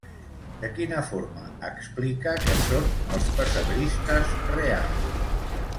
De quina forma explica que són els pessebristes reals?